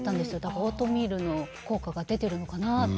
オートミールの効果が出ているのかなって。